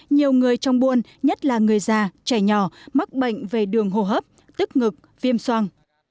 nhiều người trong bôn nhất là người già trẻ nhỏ mắc bệnh về đường hồ hấp tức ngực viêm soan